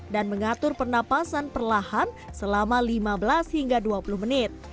dan mengatur pernafasan perlahan selama lima belas hingga dua puluh menit